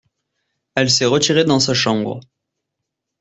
Elle s’est retirée dans sa chambre.